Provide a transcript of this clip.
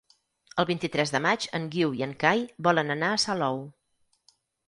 El vint-i-tres de maig en Guiu i en Cai volen anar a Salou.